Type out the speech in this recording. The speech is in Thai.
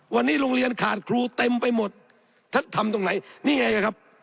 วันนี้โรงเรียนขาดครูเต็มไปหมดท่านทำตรงไหนนี่ไงครับ